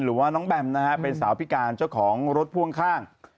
หรือว่าน้องแบมนะฮะเป็นสาวพิการเจ้าของรถพ่วงข้าง